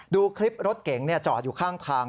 ดูคลิปรถเก๋งจอดอยู่ข้างทาง